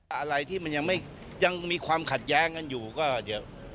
อะไรที่มันยังมีความขัดแย้งกันอยู่ก็เดี๋ยว